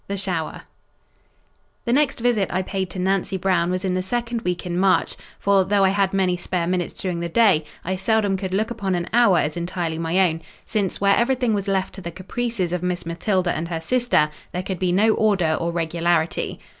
THE SHOWER The next visit I paid to Nancy Brown was in the second week in March: for, though I had many spare minutes during the day, I seldom could look upon an hour as entirely my own; since, where everything was left to the caprices of Miss Matilda and her sister, there could be no order or regularity.